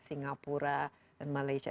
singapura dan malaysia